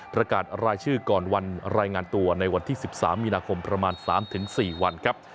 ประกาศรายชื่อก่อนวันรายงานตัวในวันที่๑๓มีนาคมประมาณ๓๔วันครับ